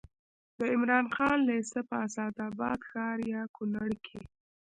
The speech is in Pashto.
د عمراخان لېسه په اسداباد ښار یا کونړ کې